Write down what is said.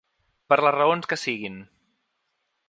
Per les raons que siguin.